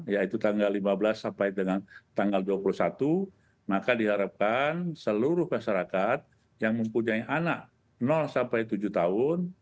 yaitu tanggal lima belas sampai dengan tanggal dua puluh satu maka diharapkan seluruh masyarakat yang mempunyai anak sampai tujuh tahun